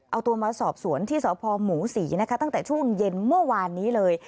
เอาตัวมาสอบสวนที่สพหมูศรีนะคะตั้งแต่ช่วงเย็นเมื่อวานนี้เลย